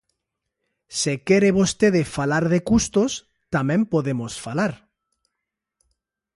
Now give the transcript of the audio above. Se quere vostede falar de custos, tamén podemos falar.